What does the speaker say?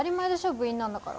部員なんだから。